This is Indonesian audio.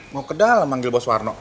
mau ke dalam manggil bos warno